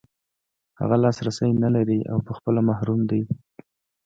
هغه لاسرسی نلري او په خپله محروم دی.